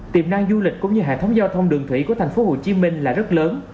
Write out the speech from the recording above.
tiềm năng du lịch cũng như hệ thống giao thông đường thủy của thành phố hồ chí minh là rất lớn